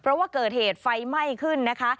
เพราะว่าเกิดเหตุไฟไหม้ขึ้นนะคะ